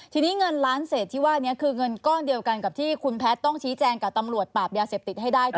ทีนี้เงินล้านเศษที่ว่านี้คือเงินก้อนเดียวกันกับที่คุณแพทย์ต้องชี้แจงกับตำรวจปราบยาเสพติดให้ได้